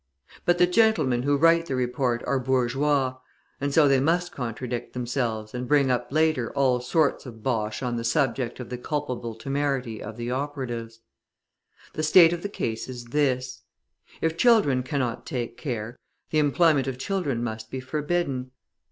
But the gentlemen who write the report are bourgeois, and so they must contradict themselves and bring up later all sorts of bosh on the subject of the culpable temerity of the operatives. The state of the case is this: If children cannot take care, the employment of children must be forbidden.